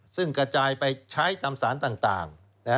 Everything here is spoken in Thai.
ซึ่งกระจายไปใช้ตามสารต่าง